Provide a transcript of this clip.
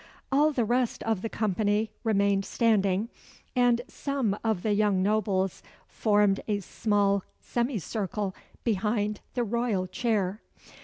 All the rest of the company remained standing; and some of the young nobles formed a small semicircle behind the royal chair.